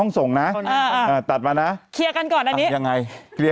คุณอันตรายแล้วนะในเส้นเกา่า